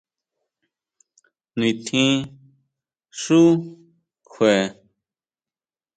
Nintjin xú kjue.